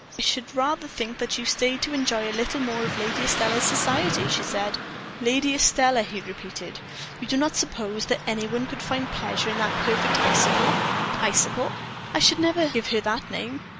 "I should rather think that you stayed to enjoy a little more of Lady Estelle's society," she said. "Lady Estelle," he repeated. "You do not suppose that any one could find any pleasure in that perfect icicle." "Icicle! I should never give her that name.